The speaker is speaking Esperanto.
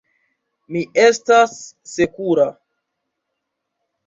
Mi estas sekura.